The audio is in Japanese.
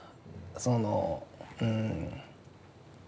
そのうん。